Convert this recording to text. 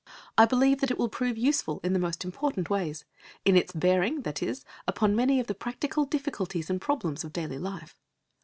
I believe that it will prove useful in the most important ways in its bearing, that is, upon many of the practical difficulties and problems of daily life.